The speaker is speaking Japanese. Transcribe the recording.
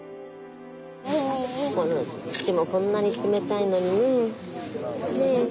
土もこんなに冷たいのにねえねえ。